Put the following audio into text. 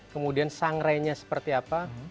kemudian sangrenya seperti apa